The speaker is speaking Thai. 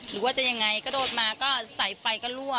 หรือว่าจะยังไงกระโดดมาก็สายไฟก็รั่ว